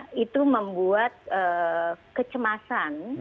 kami sudah melakukan pengumuman di rumah